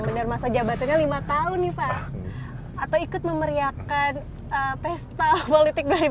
bener masa jabatannya lima tahun nih pak